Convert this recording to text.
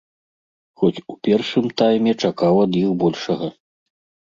Хоць у першым тайме чакаў ад іх большага.